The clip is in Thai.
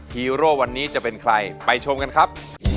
ฮีโร่วันนี้จะเป็นใครไปชมกันครับ